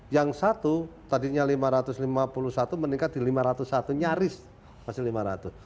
yang satu tadinya lima ratus lima puluh satu meningkat di lima ratus satu nyaris masih lima ratus